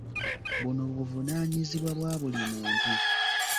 Buno buvunaanyizibwa bwa buli muntu.